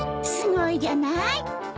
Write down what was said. すごいじゃない。